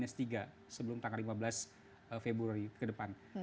sebelum tanggal lima belas februari ke depan